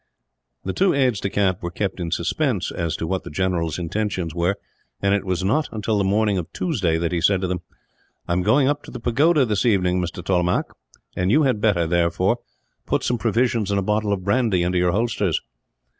The two aides de camp were kept in suspense as to what the general's intentions were, and it was not until the morning of Tuesday that he said to them: "I am going up to the pagoda this evening, Mr. Tollemache; and you had better, therefore, put some provisions and a bottle of brandy into your holsters."